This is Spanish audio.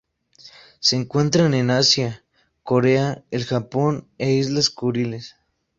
Se encuentran en Asia: Corea, el Japón e Islas Kuriles.